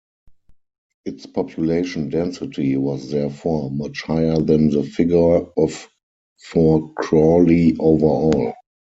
Its population density was therefore -much higher than the figure of for Crawley overall.